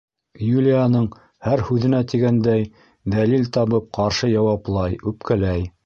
Юлияның һөр һүҙенә тигәндәй дәлил табып ҡаршы яуаплай, үпкәләй.